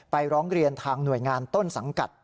ร้องเรียนทางหน่วยงานต้นสังกัด